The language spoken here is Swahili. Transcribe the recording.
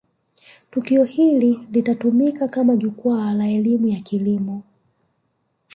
tukio hili litatumika kama jukwaa la elimu ya kilimo